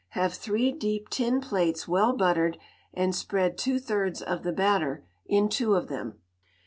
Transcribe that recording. Have three deep tin plates well buttered, and spread two thirds of the batter in two of them.